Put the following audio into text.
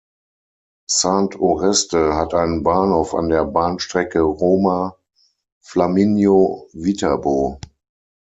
Sant’Oreste hat einen Bahnhof an der Bahnstrecke Roma Flaminio–Viterbo.